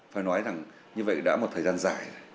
phải nói rằng như vậy đã một thời gian dài